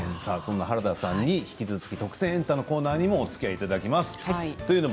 そんな原田さんに、引き続き「特選！エンタ」のコーナーにもおつきあいいただきます。